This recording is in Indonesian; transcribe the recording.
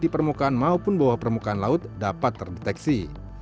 di permukaan maupun bawah permukaan laut dapat terdeteksi